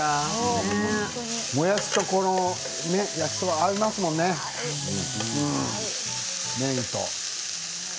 もやしと焼きそばは合いますものね、麺と。